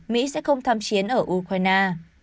mỹ sẽ không tham chiến ở ukraine